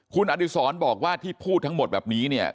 คุณอดิษรบอกว่าที่พูดทั้งหมดแบบนี้เนี่ย